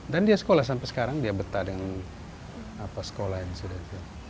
dan dia sekolah sampai sekarang dia betah dengan sekolah yang sudah ada